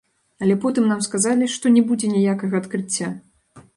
Але потым нам сказалі, што не будзе ніякага адкрыцця.